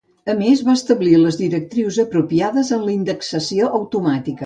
A més, va establir les directrius apropiades en la indexació automàtica.